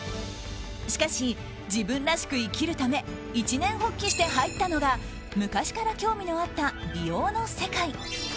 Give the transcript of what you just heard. しかし自分らしく生きるため一念発起して入ったのが昔から興味のあった美容の世界。